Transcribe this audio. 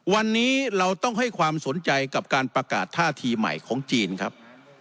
วันนี้เราต้องให้ความสนใจกับการประกาศท่าทีใหม่ของจีนครับ